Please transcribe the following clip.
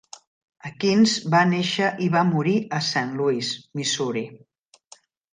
Akins va néixer i va morir a Saint Louis, Missouri.